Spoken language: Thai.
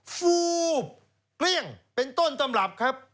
ฟูบเกลี้ยงเป็นต้นตำรับครับ